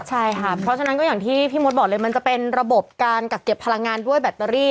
ใช่ค่ะเพราะฉะนั้นก็อย่างที่พี่มดบอกเลยมันจะเป็นระบบการกักเก็บพลังงานด้วยแบตเตอรี่